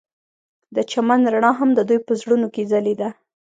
د چمن رڼا هم د دوی په زړونو کې ځلېده.